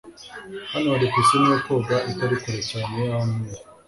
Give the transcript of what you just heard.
Hano hari pisine yo koga itari kure cyane y'aho ntuye.